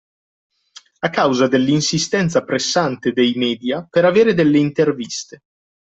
A causa dell'insistenza pressante dei media per avere delle interviste.